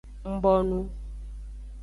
Ng bonu.